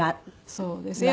そうですね。